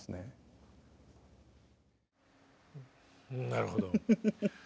なるほど。